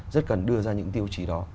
rất cần đưa ra những tiêu chí đó